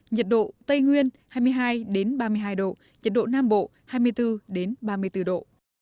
nhiệt độ tây nguyên hai mươi hai ba mươi hai độ nhiệt độ nam bộ hai mươi bốn ba mươi bốn độ